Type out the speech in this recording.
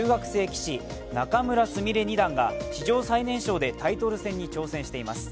棋士仲邑菫二段が、史上最年少でタイトル戦に挑戦しています。